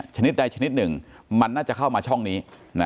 ชนิดใดชนิดหนึ่งมันน่าจะเข้ามาช่องนี้